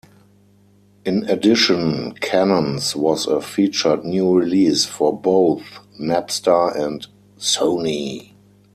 In addition, Cannons was a featured new release for both Napster and Sony.